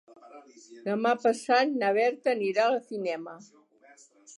Demà passat na Berta anirà al cinema.